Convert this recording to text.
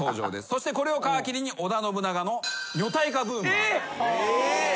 そしてこれを皮切りに織田信長の女体化ブームが訪れます。